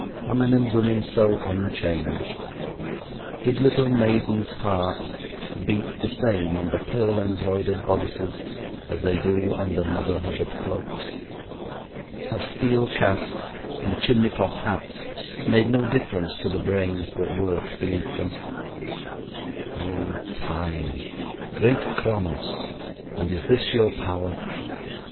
Are men and women so unchanged? Did little maidens' hearts beat the same under pearl embroidered bodices as they do under Mother Hubbard cloaks? Have steel casques and chimney pot hats made no difference to the brains that work beneath them? Oh, Time! great Chronos! and is this your power?